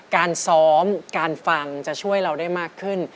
การซ้อมการฟังจะช่วยเราได้มากขึ้น